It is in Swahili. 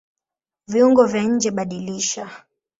Viungo vya njeBadilisha